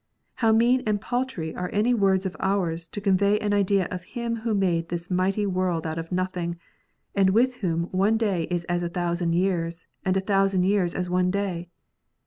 How mean and paltry are any words of ours to convey any idea of Him who made this mighty world out of nothing, and with Whom one day is as a thousand years, and a thousand years as one day